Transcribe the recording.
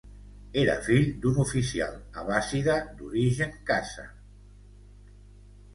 Era fill d'un oficial abbàssida d'origen khàzar.